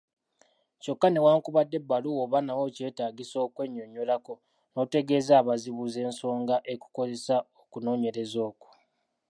Kyokka newankubadde ebbaluwa oba nayo kyetaagisa okwennyonnyolako n’otegeeza abazibuzi ensonga ekukozesa okunoonyereza okwo.